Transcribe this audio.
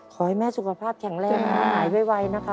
ขอให้แม่สุขภาพแข็งแรงนะหายไวนะคะ